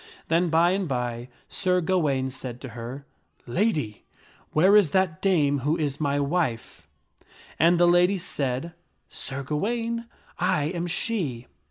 Then by and by Sir Gawaine said to her, " Lady, where is that dame who is my wife ?" I And the lady said, " Sir Gawaine, I am she."